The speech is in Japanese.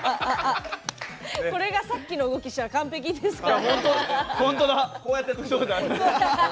さっきの動きしたら完璧ですから。